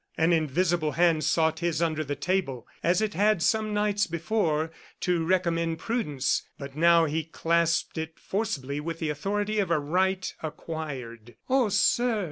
An invisible hand sought his under the table, as it had some nights before, to recommend prudence; but now he clasped it forcibly with the authority of a right acquired. "Oh, sir!"